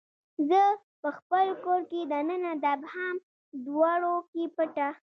زه پخپل کور کې دننه د ابهام دوړو کې پټه